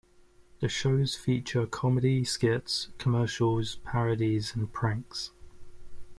The shows feature comedy skits, commercials, parodies, and pranks.